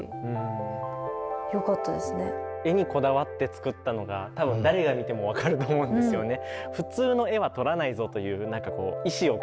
画にこだわって作ったのが多分誰が見ても分かると思うんですよね。